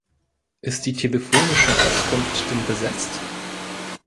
Ist die telefonische Auskunft denn besetzt?